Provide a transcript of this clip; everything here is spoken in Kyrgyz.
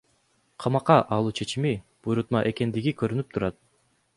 Камакка алуу чечими буйрутма экендиги көрүнүп турат.